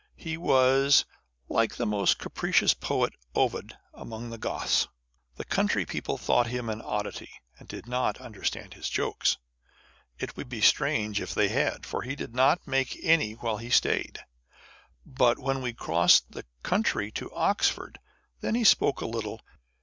1 He was "like the most capricious poet Ovid among the Goths." The country people thought him an oddity, and did not understand his jokes. It would be strange if they had ; for he did not make any while he stayed. But when we crossed the country to Oxford, then he spoke a little.